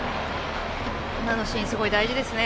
今のシーンはすごく大事ですね。